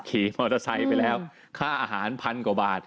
ขี่มอเตอร์ไซค์ไปแล้วค่าอาหารพันกว่าบาท